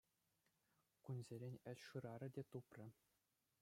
Кунсерен ĕç шырарӗ те тупрӗ.